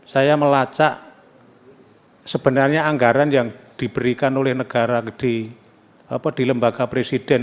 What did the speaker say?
saya melacak sebenarnya anggaran yang diberikan oleh negara di lembaga presiden